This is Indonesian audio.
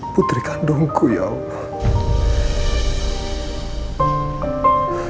putri kandungku ya allah